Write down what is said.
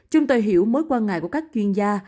chúng tôi hiểu mối quan ngại của các chuyên gia